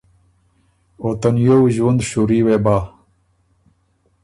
او ته نیوو ݫوُند شُوري وې بَۀ۔